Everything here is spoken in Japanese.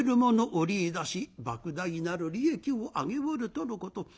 織りいだしばく大なる利益を上げおるとのこと。